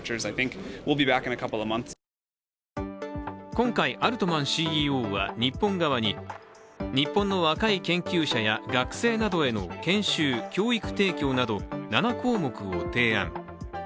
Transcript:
今回、アルトマンＣＥＯは日本側に日本の若い研究者や学生などへの研修・教育提供など７項目を提案。